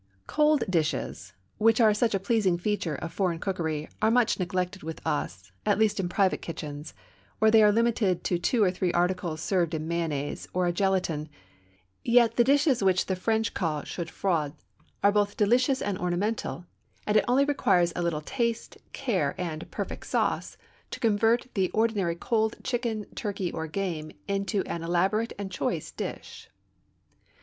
Cold dishes, which are such a pleasing feature of foreign cookery, are much neglected with us, at least in private kitchens, or they are limited to two or three articles served in mayonnaise, or a galantine, yet the dishes which the French call chaudfroids are both delicious and ornamental, and it only requires a little taste, care, and perfect sauce to convert the ordinary cold chicken, turkey, or game into an elaborate and choice dish.